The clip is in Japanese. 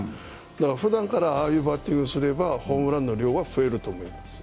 ふだんからああいうバッティングすればホームランの量は増えると思います。